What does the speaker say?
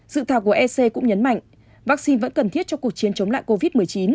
dự thảo của ec cũng nhấn mạnh vaccine vẫn cần thiết cho cuộc chiến chống lại covid một mươi chín